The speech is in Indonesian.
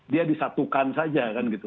dia disatukan saja